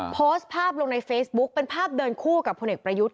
โพสต์ภาพลงในเฟซบุ๊กเป็นภาพเดินคู่กับพลเอกประยุทธ์